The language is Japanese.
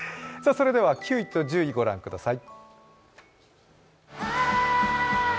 それでは９位と１０位ご覧ください。